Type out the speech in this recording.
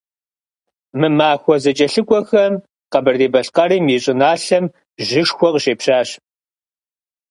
Мы махуэ зэкӀэлъыкӀуэхэм Къэбэрдей-Балъкъэрым и щӀыналъэм жьышхуэ къыщепщащ.